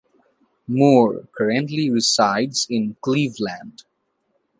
Moore currently resides in Cleveland.